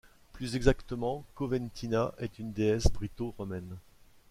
Plus exactement, Coventina est une déesse britto-romaine.